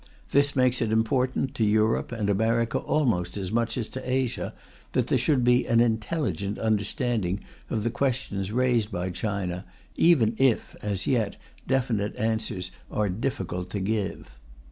This makes it important, to Europe and America almost as much as to Asia, that there should be an intelligent understanding of the questions raised by China, even if, as yet, definite answers are difficult to give.